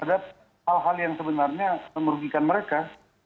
ada hal hal yang sebenarnya memerugikan mereka